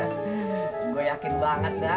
gua yakin banget dah